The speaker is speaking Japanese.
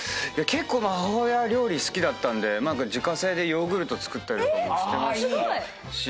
結構母親料理好きだったんで自家製でヨーグルト作ったりとかもしてましたし。